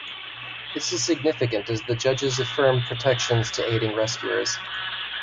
This is significant as the judges affirmed protections to aiding rescuers.